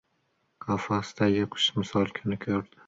Qafasdagi qush misol kun ko‘rdi.